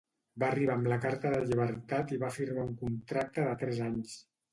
Va arribar amb la carta de llibertat i va firmar un contracte de tres anys.